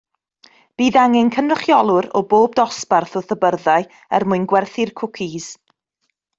Bydd angen cynrychiolwyr o bob dosbarth wrth y byrddau er mwyn gwerthu'r cwcis.